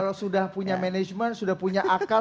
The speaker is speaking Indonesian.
kalau sudah punya manajemen sudah punya akal